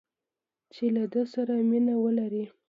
چې له ده سره مینه ولري